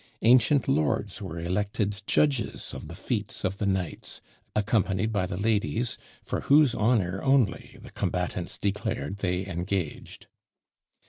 Ancient lords were elected judges of the feats of the knights, accompanied by the ladies, for whose honour only the combatants declared they engaged.